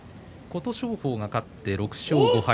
琴勝峰が勝って６勝５敗。